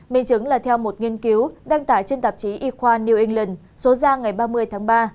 minh chứng là theo một nghiên cứu đăng tải trên tạp chí y khoa new england số ra ngày ba mươi tháng ba